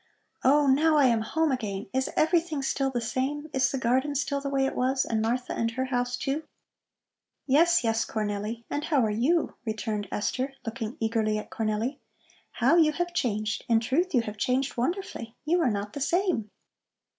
"Oh, now I am home again! Is everything still the same? Is the garden still the way it was? And Martha and her house, too?" "Yes, yes, Cornelli. And how are you?" returned Esther, looking eagerly at Cornelli. "How you have changed! In truth you have changed wonderfully. You are not the same."